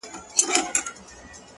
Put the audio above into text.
د گناهونو شاهدي به یې ویښتان ورکوي”